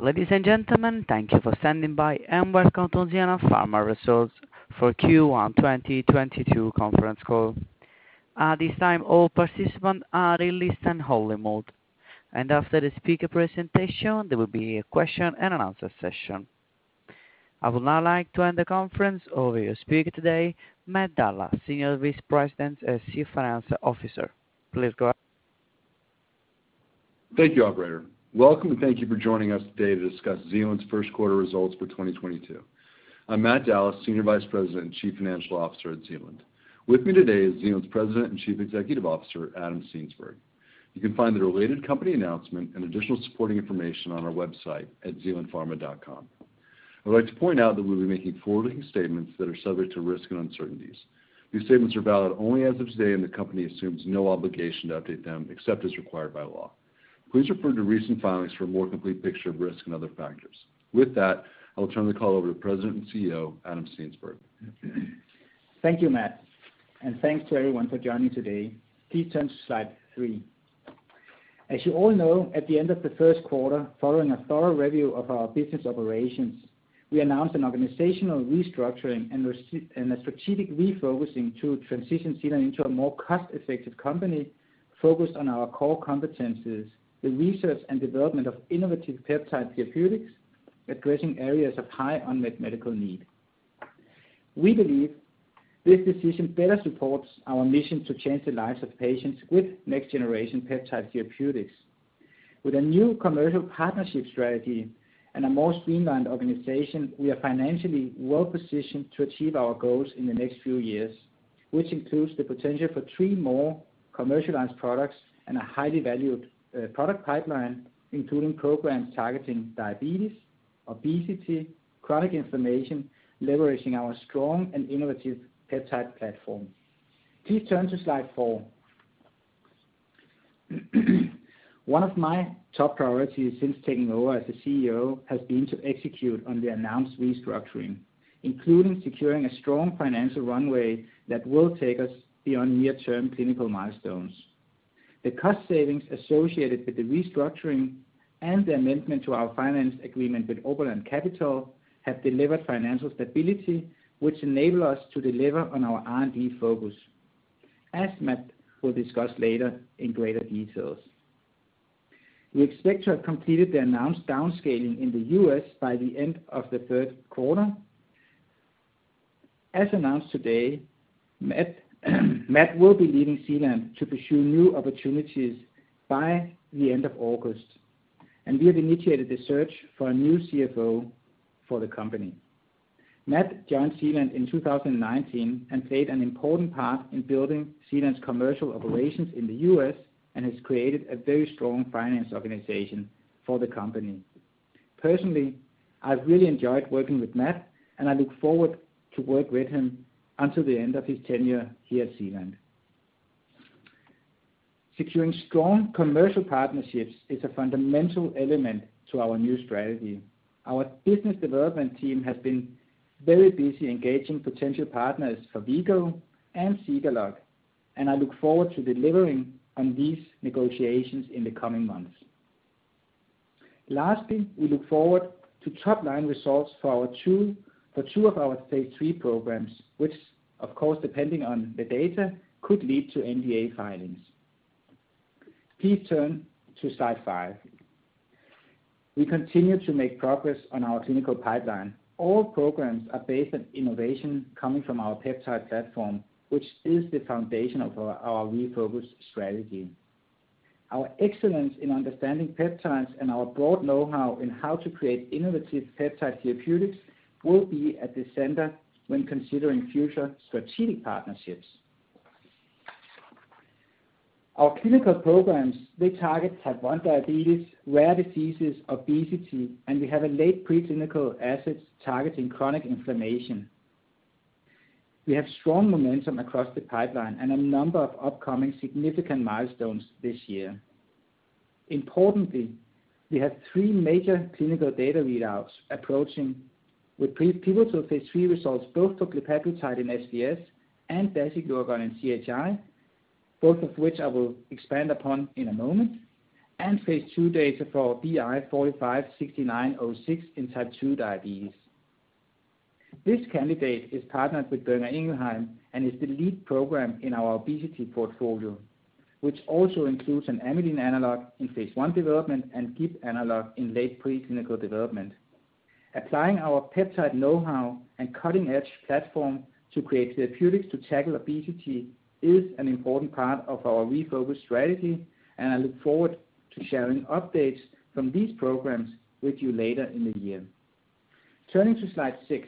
Ladies and gentlemen, thank you for standing by, and welcome to Zealand Pharma Results for Q1 2022 conference call. At this time, all participants are in listen-only mode, and after the speaker presentation, there will be a question and answer session. I would now like to hand the conference over to your speaker today, Matthew Dallas, Senior Vice President and Chief Financial Officer. Please go ahead. Thank you, operator. Welcome, and thank you for joining us today to discuss Zealand's first quarter results for 2022. I'm Matthew Dallas, Senior Vice President and Chief Financial Officer at Zealand. With me today is Zealand's President and Chief Executive Officer, Adam Steensberg. You can find the related company announcement and additional supporting information on our website at zealandpharma.com. I would like to point out that we'll be making forward-looking statements that are subject to risks and uncertainties. These statements are valid only as of today, and the company assumes no obligation to update them except as required by law. Please refer to recent filings for a more complete picture of risks and other factors. With that, I will turn the call over to President and CEO, Adam Steensberg. Thank you, Matt, and thanks to everyone for joining today. Please turn to slide three. As you all know, at the end of the first quarter, following a thorough review of our business operations, we announced an organizational restructuring and a strategic refocusing to transition Zealand into a more cost-effective company focused on our core competencies, the research and development of innovative peptide therapeutics, addressing areas of high unmet medical need. We believe this decision better supports our mission to change the lives of patients with next generation peptide therapeutics. With a new commercial partnership strategy and a more streamlined organization, we are financially well-positioned to achieve our goals in the next few years, which includes the potential for three more commercialized products and a highly valued product pipeline, including programs targeting diabetes, obesity, chronic inflammation, leveraging our strong and innovative peptide platform. Please turn to slide four. One of my top priorities since taking over as the CEO has been to execute on the announced restructuring, including securing a strong financial runway that will take us beyond near-term clinical milestones. The cost savings associated with the restructuring and the amendment to our finance agreement with Oberland Capital have delivered financial stability, which enable us to deliver on our R&D focus, as Matt will discuss later in greater details. We expect to have completed the announced downscaling in the U.S. by the end of the third quarter. As announced today, Matt will be leaving Zealand Pharma to pursue new opportunities by the end of August, and we have initiated the search for a new CFO for the company. Matt joined Zealand in 2019 and played an important part in building Zealand's commercial operations in the U.S., and has created a very strong finance organization for the company. Personally, I've really enjoyed working with Matt, and I look forward to work with him until the end of his tenure here at Zealand. Securing strong commercial partnerships is a fundamental element to our new strategy. Our business development team has been very busy engaging potential partners for V-Go and Zegalogue, and I look forward to delivering on these negotiations in the coming months. Lastly, we look forward to top-line results for two of our phase III programs, which of course, depending on the data, could lead to NDA filings. Please turn to slide five. We continue to make progress on our clinical pipeline. All programs are based on innovation coming from our peptide platform, which is the foundation of our refocused strategy. Our excellence in understanding peptides and our broad know-how in how to create innovative peptide therapeutics will be at the center when considering future strategic partnerships. Our clinical programs, they target type one diabetes, rare diseases, obesity, and we have a late preclinical assets targeting chronic inflammation. We have strong momentum across the pipeline and a number of upcoming significant milestones this year. Importantly, we have three major clinical data readouts approaching with pivotal phase III results both for glepaglutide in SBS and dasiglucagon in CHI, both of which I will expand upon in a moment, and phase II data for BI 456906 in type two diabetes. This candidate is partnered with Boehringer Ingelheim and is the lead program in our obesity portfolio, which also includes an amylin analog in phase I development and GLP analog in late pre-clinical development. Applying our peptide know-how and cutting-edge platform to create therapeutics to tackle obesity is an important part of our refocused strategy, and I look forward to sharing updates from these programs with you later in the year. Turning to slide six.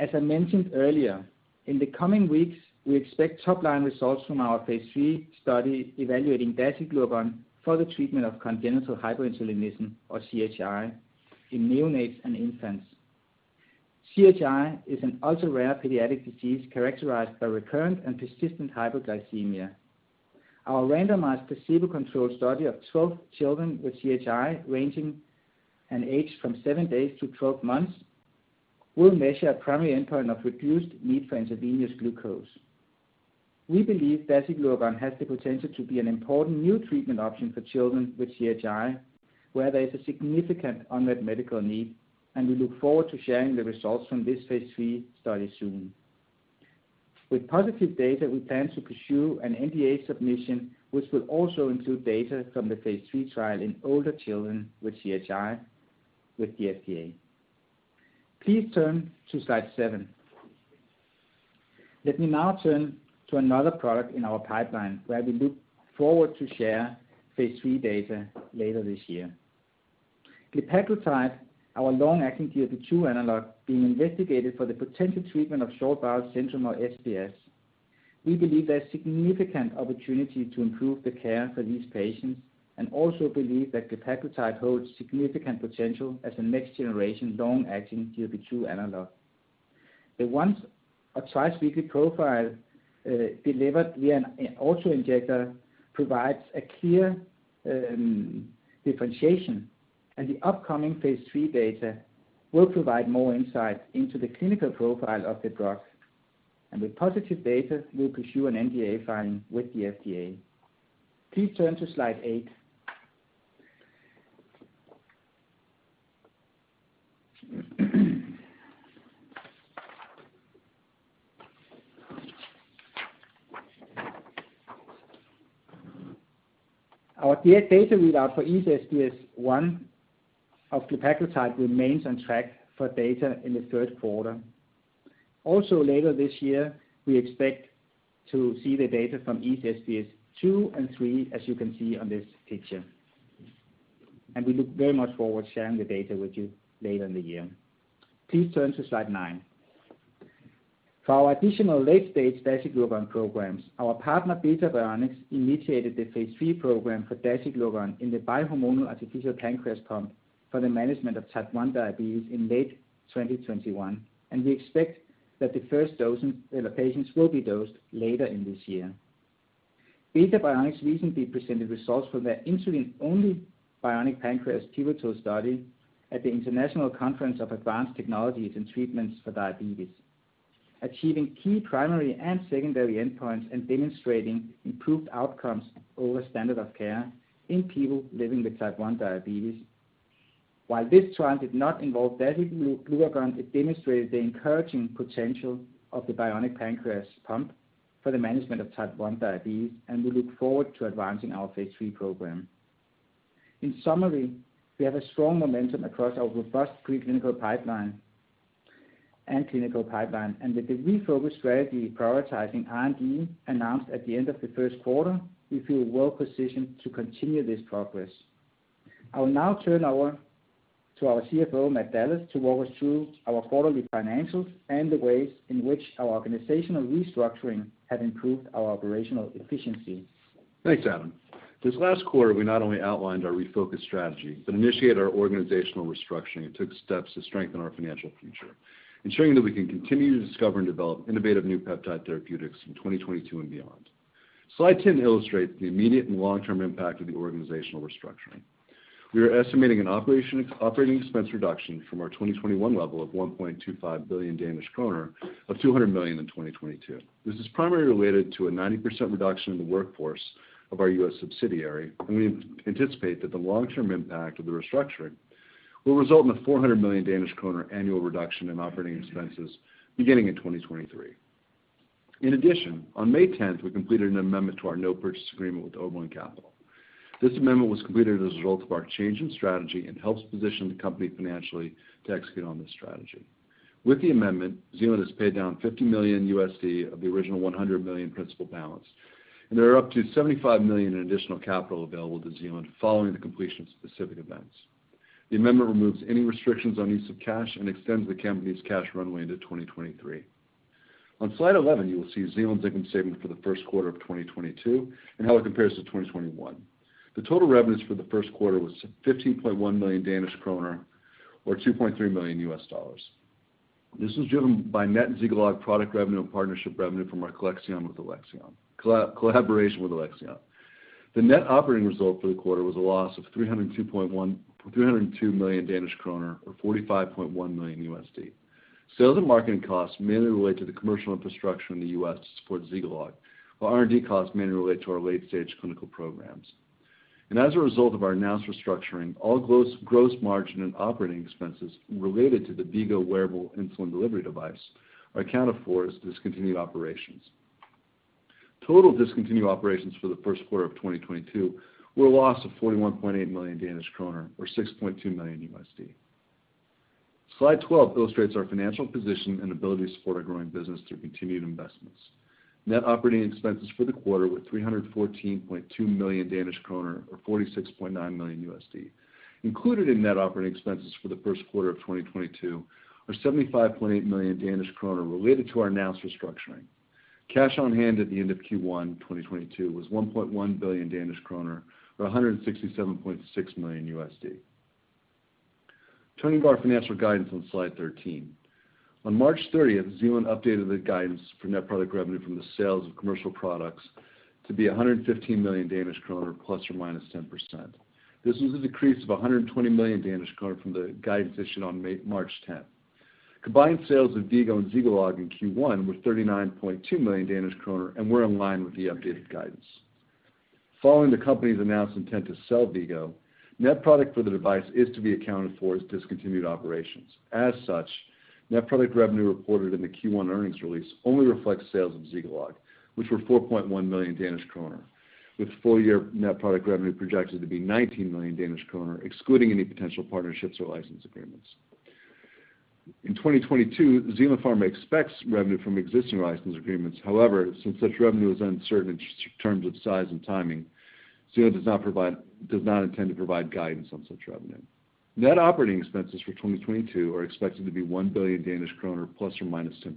As I mentioned earlier, in the coming weeks, we expect top-line results from our phase III study evaluating dasiglucagon for the treatment of congenital hyperinsulinism, or CHI, in neonates and infants. CHI is an ultra-rare pediatric disease characterized by recurrent and persistent hypoglycemia. Our randomized placebo-controlled study of 12 children with CHI ranging in age from seven days to 12 months will measure a primary endpoint of reduced need for intravenous glucose. We believe dasiglucagon has the potential to be an important new treatment option for children with CHI, where there is a significant unmet medical need, and we look forward to sharing the results from this phase III study soon. With positive data, we plan to pursue an NDA submission, which will also include data from the phase III trial in older children with CHI with the FDA. Please turn to slide seven. Let me now turn to another product in our pipeline where we look forward to share phase III data later this year. Glepaglutide, our long-acting GLP-2 analog being investigated for the potential treatment of short bowel syndrome, or SBS. We believe there's significant opportunity to improve the care for these patients and also believe that glepaglutide holds significant potential as a next generation long-acting GLP-2 analog. The once or twice weekly profile delivered via an auto-injector provides a clear differentiation, and the upcoming phase III data will provide more insight into the clinical profile of the drug. With positive data, we'll pursue an NDA filing with the FDA. Please turn to slide eight. Our data read-out for EASE-SBS 1 of glepaglutide remains on track for data in the third quarter. Also later this year, we expect to see the data from EASE-SBS 2 and 3, as you can see on this picture. We look very much forward sharing the data with you later in the year. Please turn to slide nine. For our additional late-stage dasiglucagon programs, our partner Beta Bionics initiated the phase III program for dasiglucagon in the bi-hormonal artificial pancreas pump for the management of type 1 diabetes in late 2021, and we expect that the first patients will be dosed later in this year. Beta Bionics recently presented results for their insulin-only Bionic Pancreas pivotal study at the International Conference on Advanced Technologies & Treatments for Diabetes, achieving key primary and secondary endpoints and demonstrating improved outcomes over standard of care in people living with type 1 diabetes. While this trial did not involve dasiglucagon, it demonstrated the encouraging potential of the Bionic Pancreas pump for the management of type 1 diabetes, and we look forward to advancing our phase III program. In summary, we have a strong momentum across our robust preclinical pipeline and clinical pipeline. With the refocused strategy prioritizing R&D announced at the end of the first quarter, we feel well-positioned to continue this progress. I will now turn over to our CFO, Matt Dallas, to walk us through our quarterly financials and the ways in which our organizational restructuring have improved our operational efficiency. Thanks, Adam. This last quarter, we not only outlined our refocused strategy, but initiated our organizational restructuring and took steps to strengthen our financial future, ensuring that we can continue to discover and develop innovative new peptide therapeutics in 2022 and beyond. Slide 10 illustrates the immediate and long-term impact of the organizational restructuring. We are estimating an operating expense reduction from our 2021 level of 1.25 billion Danish kroner of 200 million in 2022. This is primarily related to a 90% reduction in the workforce of our U.S. subsidiary, and we anticipate that the long-term impact of the restructuring will result in a 400 million Danish kroner annual reduction in operating expenses beginning in 2023. In addition, on May 10th, we completed an amendment to our note purchase agreement with Oberland Capital. This amendment was completed as a result of our change in strategy and helps position the company financially to execute on this strategy. With the amendment, Zealand has paid down $50 million of the original $100 million principal balance, and there are up to $75 million in additional capital available to Zealand following the completion of specific events. The amendment removes any restrictions on use of cash and extends the company's cash runway into 2023. On slide 11, you will see Zealand's income statement for the first quarter of 2022 and how it compares to 2021. The total revenues for the first quarter was 15.1 million Danish kroner or $2.3 million. This was driven by net Zegalogue product revenue and partnership revenue from our collaboration with Alexion. The net operating result for the quarter was a loss of 302 million Danish kroner or $45.1 million. Sales and marketing costs mainly relate to the commercial infrastructure in the U.S. to support Zegalogue, while R&D costs mainly relate to our late-stage clinical programs. As a result of our announced restructuring, all gross margin and operating expenses related to the V-Go wearable insulin delivery device are accounted for as discontinued operations. Total discontinued operations for the first quarter of 2022 were a loss of 41.8 million Danish kroner or $6.2 million. Slide 12 illustrates our financial position and ability to support our growing business through continued investments. Net operating expenses for the quarter were 314.2 million Danish kroner or $46.9 million. Included in net operating expenses for the first quarter of 2022 are 75.8 million Danish kroner related to our announced restructuring. Cash on hand at the end of Q1 2022 was 1.1 billion Danish kroner or $167.6 million. Turning to our financial guidance on slide 13. On March 30, Zealand updated the guidance for net product revenue from the sales of commercial products to be 115 million Danish kroner ±10%. This was a decrease of 120 million Danish kroner from the guidance issued on March 10. Combined sales of V-Go and Zegalogue in Q1 were 39.2 million Danish kroner and were in line with the updated guidance. Following the company's announced intent to sell V-Go, net product for the device is to be accounted for as discontinued operations. As such, net product revenue reported in the Q1 earnings release only reflects sales of Zegalogue, which were 4.1 million Danish kroner, with full year net product revenue projected to be 19 million Danish kroner, excluding any potential partnerships or license agreements. In 2022, Zealand Pharma expects revenue from existing license agreements. However, since such revenue is uncertain in terms of size and timing, Zealand does not intend to provide guidance on such revenue. Net operating expenses for 2022 are expected to be 1 billion Danish kroner ±10%.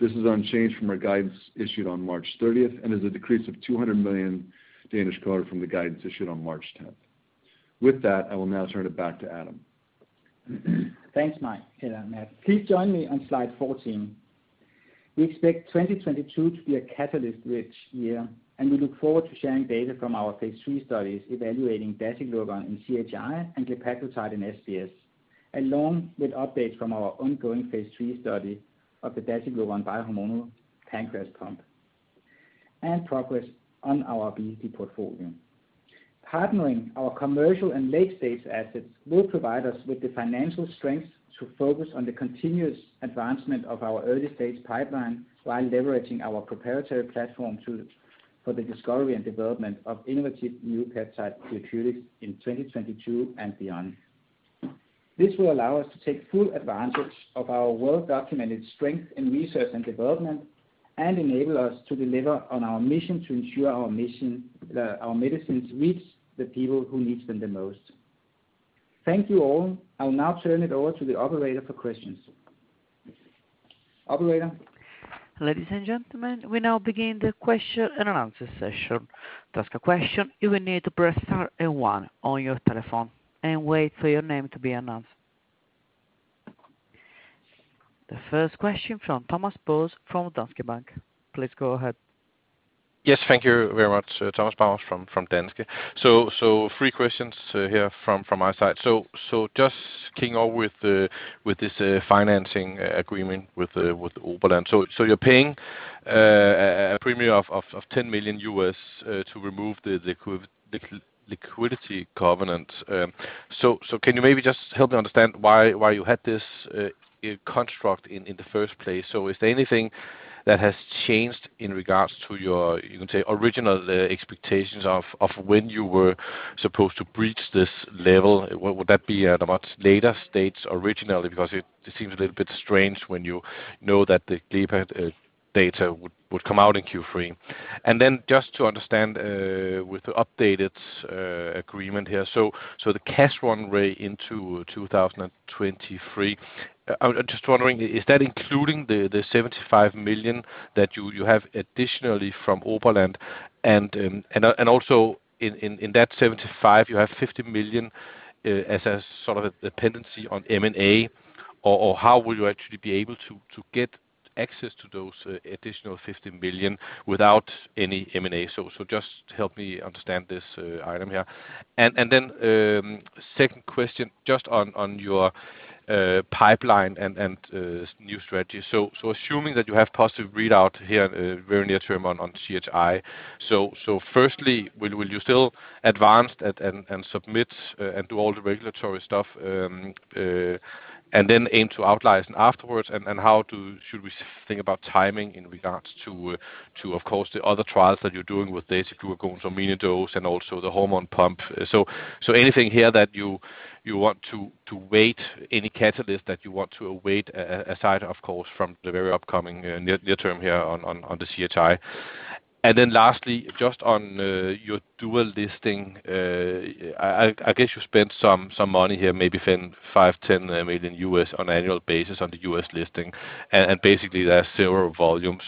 This is unchanged from our guidance issued on March 13th and is a decrease of 200 million Danish kroner from the guidance issued on March tenth. With that, I will now turn it back to Adam. Thanks, Mike and Matt. Please join me on slide 14. We expect 2022 to be a catalyst-rich year, and we look forward to sharing data from our phase III studies evaluating dasiglucagon in CHI and glepaglutide in SBS, along with updates from our ongoing phase III study of the dasiglucagon bi-hormonal pancreas pump and progress on our obesity portfolio. Partnering our commercial and late-stage assets will provide us with the financial strength to focus on the continuous advancement of our early-stage pipeline while leveraging our peptide platform for the discovery and development of innovative new peptide therapeutics in 2022 and beyond. This will allow us to take full advantage of our well-documented strength in research and development and enable us to deliver on our mission to ensure our medicines reach the people who needs them the most. Thank you all. I will now turn it over to the operator for questions. Operator? Ladies and gentlemen, we now begin the question and answer session. To ask a question, you will need to press star and one on your telephone and wait for your name to be announced. The first question from Thomas Bowers from Danske Bank. Please go ahead. Yes. Thank you very much. Thomas Bowers from Danske. Three questions here from my side. Just kicking off with this financing agreement with Oberland. You're paying a premium of $10 million to remove the liquidity covenant. Can you maybe just help me understand why you had this construct in the first place? Is there anything that has changed in regards to your, you can say, original expectations of when you were supposed to breach this level? Would that be at a much later stage originally? Because it seems a little bit strange when you know that the glepaglutide data would come out in Q3. Just to understand with the updated agreement here. The cash run rate into 2023, I'm just wondering, is that including the 75 million that you have additionally from Oberland? Also in that 75 million, you have 50 million as a sort of a dependency on M&A or how will you actually be able to get access to those additional 50 million without any M&A? Just help me understand this item here. Second question just on your pipeline and new strategy. Assuming that you have positive readout here very near term on CHI. Firstly, will you still advance and submit and do all the regulatory stuff and then aim to outlicense afterwards? Should we think about timing in regards to, of course, the other trials that you're doing with this, if you were going for mini dose and also the hormone pump? Anything here that you want to wait, any catalyst that you want to await, aside, of course, from the very upcoming near term here on the CHI. Lastly, just on your dual listing. I guess you spent some money here, maybe $5 million-$10 million on annual basis on the U.S. listing, and basically there are zero volume.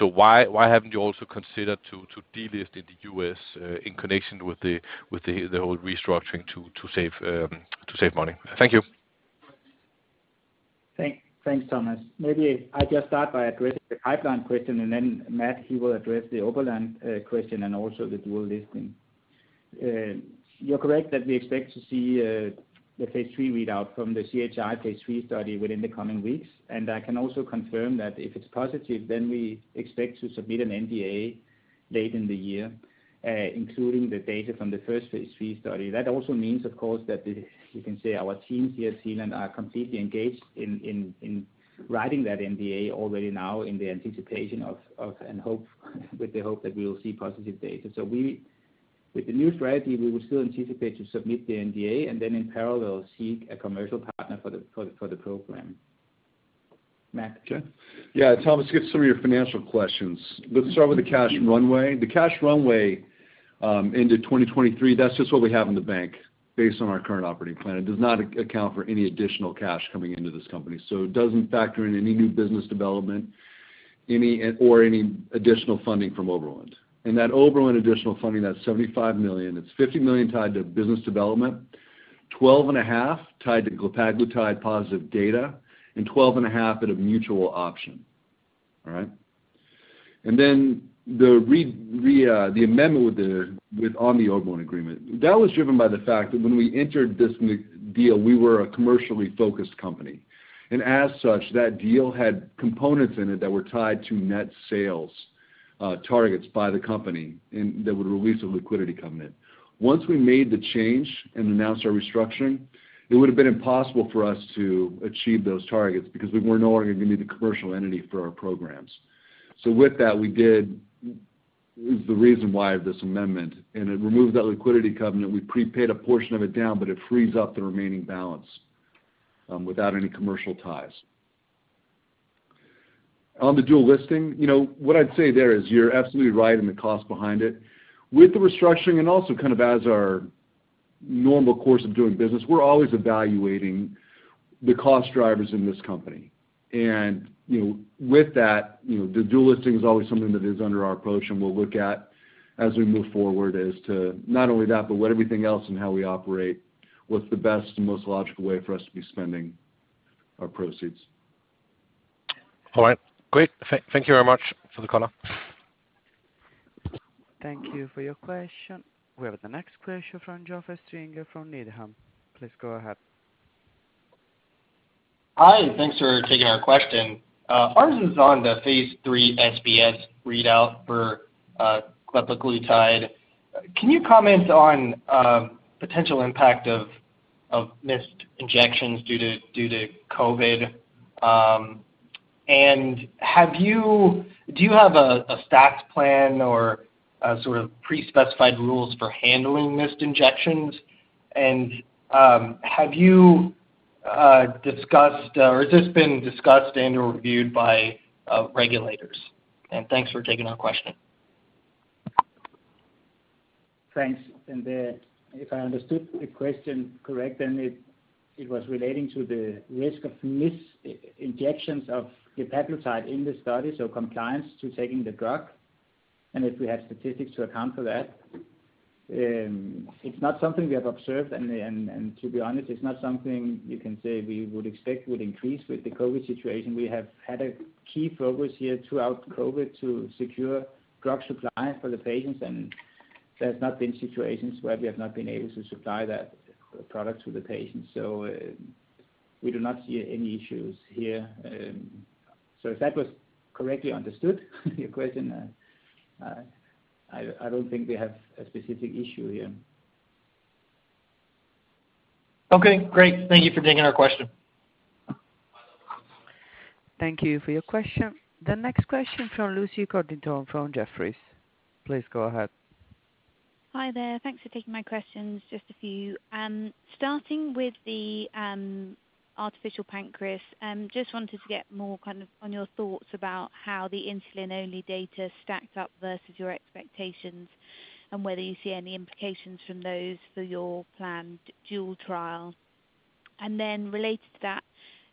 Why haven't you also considered to delist in the U.S., in connection with the whole restructuring to save money? Thank you. Thanks, Thomas. Maybe I just start by addressing the pipeline question, and then Matt, he will address the Oberland question and also the dual listing. You're correct that we expect to see the phase III readout from the CHI phase three study within the coming weeks. I can also confirm that if it's positive, then we expect to submit an NDA late in the year, including the data from the first phase three study. That also means, of course, that the, you can say our teams here at Zealand are completely engaged in writing that NDA already now in the anticipation of and hope with the hope that we will see positive data. We, with the new strategy, we will still anticipate to submit the NDA and then in parallel, seek a commercial partner for the program. Matt? Okay. Yeah, Thomas, get to some of your financial questions. Let's start with the cash runway. The cash runway into 2023, that's just what we have in the bank based on our current operating plan. It does not account for any additional cash coming into this company. It doesn't factor in any new business development or any additional funding from Oberland. That Oberland additional funding, that 75 million, it's 50 million tied to business development, 12.5 million tied to glepaglutide positive data, and 12.5 million at a mutual option. All right. The amendment with the Oberland agreement, that was driven by the fact that when we entered this deal, we were a commercially focused company. As such, that deal had components in it that were tied to net sales targets by the company and that would release a liquidity covenant. Once we made the change and announced our restructuring, it would've been impossible for us to achieve those targets because we were no longer gonna be the commercial entity for our programs. With that was the reason why this amendment, and it removed that liquidity covenant. We prepaid a portion of it down, but it frees up the remaining balance without any commercial ties. On the dual listing, you know, what I'd say there is you're absolutely right in the cost behind it. With the restructuring and also kind of as our normal course of doing business, we're always evaluating the cost drivers in this company. you know, with that, you know, the dual listing is always something that is under our approach and we'll look at as we move forward as to not only that, but what everything else and how we operate, what's the best and most logical way for us to be spending our proceeds. All right, great. Thank you very much for the call. Thank you for your question. We have the next question from Joseph Stringer from Needham. Please go ahead. Hi, thanks for taking our question. Ours is on the phase III SBS readout for glepaglutide. Can you comment on potential impact of missed injections due to COVID? Do you have a backup plan or a sort of pre-specified rules for handling missed injections? Have you discussed or has this been discussed and/or reviewed by regulators? Thanks for taking our question. Thanks. If I understood the question correct, then it was relating to the risk of missed injections of glepaglutide in the study, so compliance to taking the drug, and if we have statistics to account for that. It's not something we have observed. To be honest, it's not something you can say we would expect would increase with the COVID situation. We have had a key focus here throughout COVID to secure drug supplies for the patients, and there's not been situations where we have not been able to supply that product to the patient. We do not see any issues here. If that was correctly understood your question, I don't think we have a specific issue here. Okay, great. Thank you for taking our question. Thank you for your question. The next question from Lucy Codrington from Jefferies. Please go ahead. Hi there. Thanks for taking my questions. Just a few. Starting with the artificial pancreas, just wanted to get more kind of on your thoughts about how the insulin-only data stacked up versus your expectations, and whether you see any implications from those for your planned dual trial. Related to that,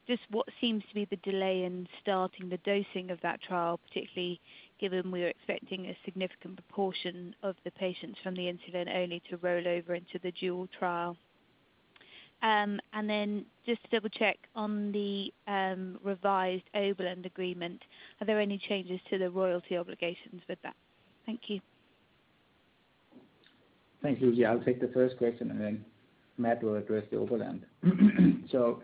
just what seems to be the delay in starting the dosing of that trial, particularly given we're expecting a significant proportion of the patients from the insulin only to roll over into the dual trial. Just to double-check on the revised Oberland agreement, are there any changes to the royalty obligations with that? Thank you. Thanks, Lucy. I'll take the first question, and then Matt will address the Oberland Capital.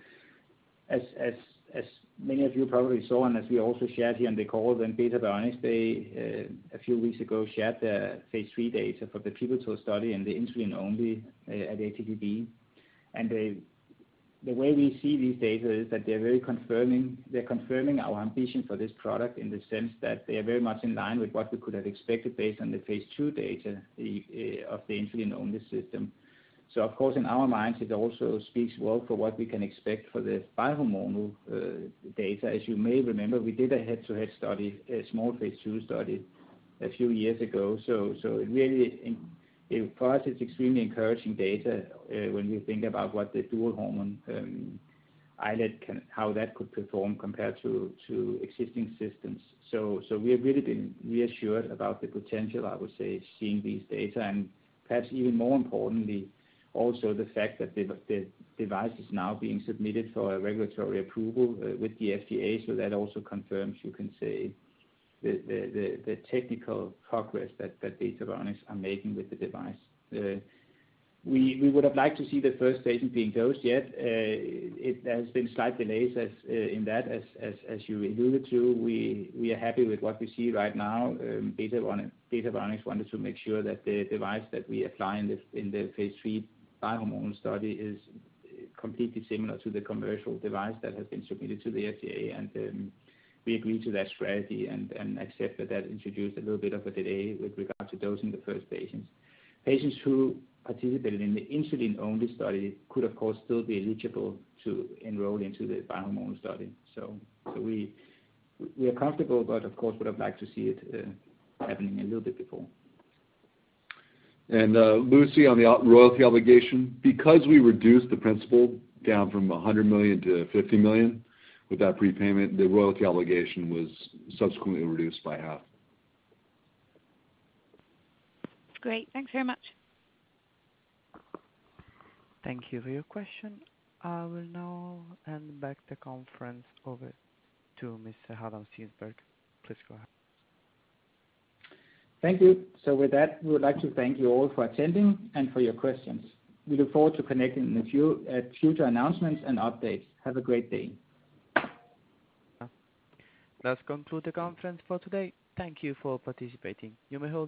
As many of you probably saw, and as we also shared here on the call, Beta Bionics a few weeks ago shared the phase III data for the pivotal study and the insulin-only at ATTD. The way we see these data is that they're very confirming. They're confirming our ambition for this product in the sense that they're very much in line with what we could have expected based on the phase II data of the insulin-only system. Of course, in our minds, it also speaks well for what we can expect for the bi-hormonal data. As you may remember, we did a head-to-head study, a small phase II study a few years ago. Really in part it's extremely encouraging data when you think about what the dual hormone iLet can, how that could perform compared to existing systems. We have really been reassured about the potential, I would say, seeing these data. Perhaps even more importantly, also the fact that the device is now being submitted for a regulatory approval with the FDA. That also confirms, you can say, the technical progress that Beta Bionics are making with the device. We would have liked to see the first patient being dosed yet. It has been slight delays in that, as you alluded to. We are happy with what we see right now. Beta Bionics wanted to make sure that the device that we apply in the phase III bi-hormonal study is completely similar to the commercial device that has been submitted to the FDA. We agreed to that strategy and accept that that introduced a little bit of a delay with regard to dosing the first patients. Patients who participated in the insulin-only study could, of course, still be eligible to enroll into the bi-hormonal study. We are comfortable, but of course, would have liked to see it happening a little bit before. Lucy, on the royalty obligation, because we reduced the principal down from 100 million to 50 million with that prepayment, the royalty obligation was subsequently reduced by half. Great. Thanks very much. Thank you for your question. I will now hand back the conference over to Mr. Adam Steensberg. Please go ahead. Thank you. With that, we would like to thank you all for attending and for your questions. We look forward to connecting in a few future announcements and updates. Have a great day. That concludes the conference for today. Thank you for participating. You may hold.